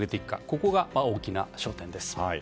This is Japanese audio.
ここが大きな焦点です。